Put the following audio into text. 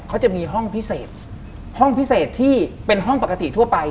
เขาจะมีห้องพิเศษห้องพิเศษที่เป็นห้องปกติทั่วไป